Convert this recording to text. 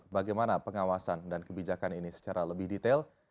bagaimana pengawasan dan kebijakan ini secara lebih detail